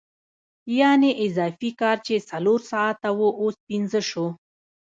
یانې اضافي کار چې څلور ساعته وو اوس پنځه شو